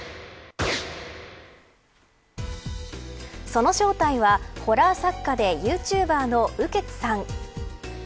その正体はホラー作家でユーチューバーの雨穴さん。